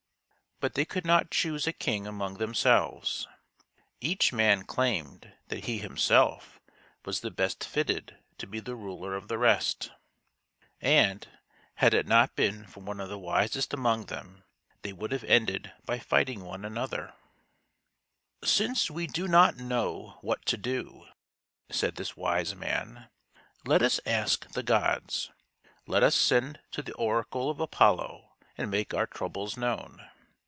But they could not choose a king among them selves. Each man claimed that he himself was the best fitted to be the ruler of the rest ; and, had it not been for one of the wisest among them, they would have ended by fighting one another, " Since we do not know what to do," said this wise man, " let us ask the gods. Let us send to the oracle of Apollo and make our troubles known.